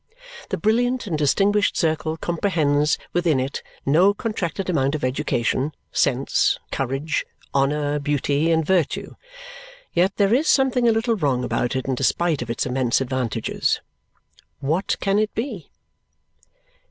The brilliant and distinguished circle comprehends within it no contracted amount of education, sense, courage, honour, beauty, and virtue. Yet there is something a little wrong about it in despite of its immense advantages. What can it be?